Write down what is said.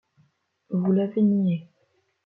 Vous l’avez nié.